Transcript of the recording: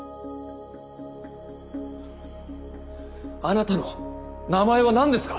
あなたの名前は何ですか？